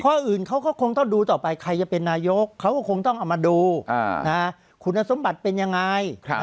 ข้ออื่นเขาก็คงต้องดูต่อไปใครจะเป็นนายกเขาก็คงต้องเอามาดูคุณสมบัติเป็นยังไง